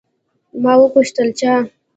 ما وپوښتل، چا؟